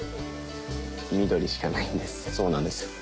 緑しかないんです。